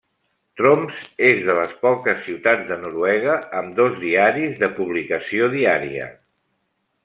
Tromsø és de les poques ciutats de Noruega amb dos diaris de publicació diària.